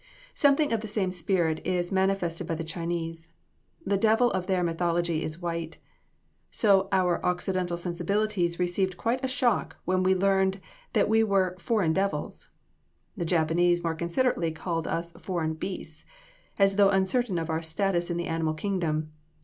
Something of the same spirit is manifested by the Chinese. The devil of their mythology is white. So our occidental sensibilities received quite a shock when we learned that we were "foreign devils." The Japanese more considerately called us "foreign beasts," as though uncertain of our status in the animal kingdom.